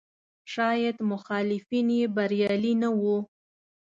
شاید مخالفین یې بریالي نه وو.